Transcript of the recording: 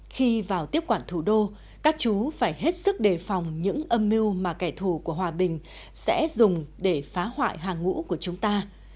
khi vào tiếp quản thủ đô các chú phải hết sức đề phòng những âm mưu mà kẻ thù của hòa bình sẽ dùng để phá hoại hàng ngũ của chúng ta